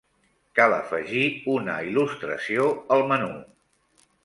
Cal afegir una il·lustració al menú.